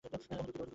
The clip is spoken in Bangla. ওহ্, দুঃখিত।